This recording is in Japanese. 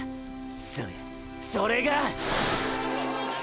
そやそれが！